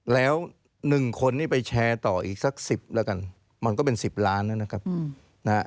แล้ว๑คนนี้ไปแชร์ต่ออีกสัก๑๐ล้านมันก็เป็น๑๐ล้าน